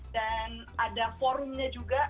dan ada forumnya juga